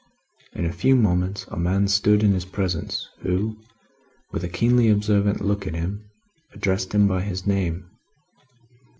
In a few moments, a man stood in his presence, who, with a keenly observant look at him, addressed him by his name.